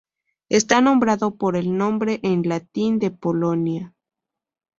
Está nombrado por el nombre en latín de Polonia.